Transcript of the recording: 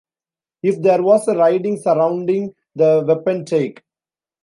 If there was a riding surrounding the wapentake.